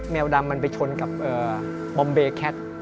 วดำมันไปชนกับบอมเบแคท